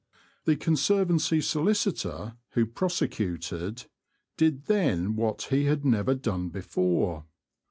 The Conservancy solicitor, who prosecuted, did then what he had never done before.